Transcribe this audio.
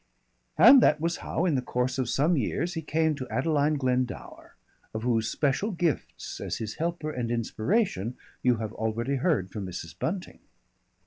And that was how, in the course of some years, he came to Adeline Glendower, of whose special gifts as his helper and inspiration you have already heard from Mrs. Bunting.